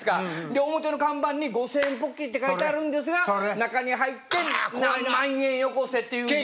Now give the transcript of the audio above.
で表の看板に「５，０００円ポッキリ」って書いてあるんですが中に入って何万円よこせっていう。